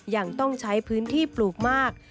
ยังต้องใช้พื้นที่ปลูกมาก